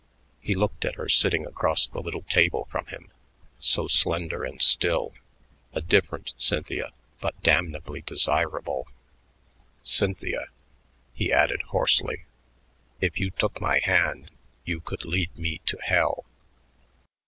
He looked at her sitting across the little table from him, so slender and still a different Cynthia but damnably desirable. "Cynthia," he added hoarsely, "if you took my hand, you could lead me to hell."